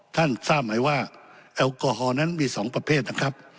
ทราบไหมว่าแอลกอฮอลนั้นมี๒ประเภทนะครับ